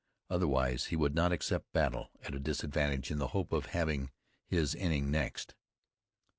Otherwise he would not accept battle at a disadvantage in the hope of having his inning next.